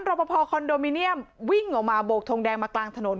รอปภคอนโดมิเนียมวิ่งออกมาโบกทงแดงมากลางถนน